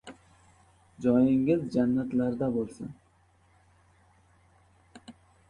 Joyingiz jannatlarda boʻlsin...